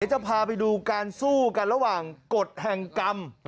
จะพาไปดูการสู้กันระหว่างกฎแห่งกรรม